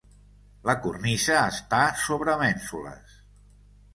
La cornisa està sobre mènsules.